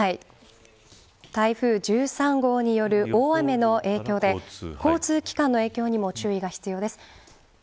台風１３号による大雨の影響で交通機関の影響にも注意が必要です。